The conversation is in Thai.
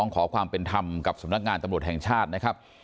ขอความเป็นธรรมกับสำนักงานตำรวจแห่งชาตินะครับ